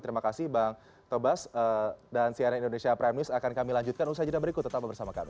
terima kasih bang tobas dan cnn indonesia prime news akan kami lanjutkan usai jeda berikut tetap bersama kami